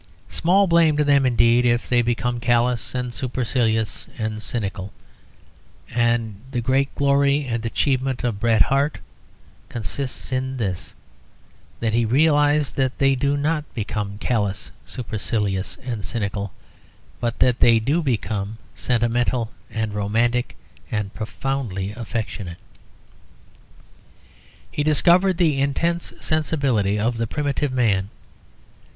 Small blame to them indeed if they become callous and supercilious and cynical. And the great glory and achievement of Bret Harte consists in this, that he realised that they do not become callous, supercilious, and cynical, but that they do become sentimental and romantic, and profoundly affectionate. He discovered the intense sensibility of the primitive man.